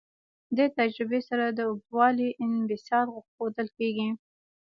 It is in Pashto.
دې تجربې سره د اوږدوالي انبساط ښودل کیږي.